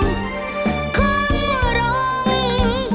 เข้าร้อง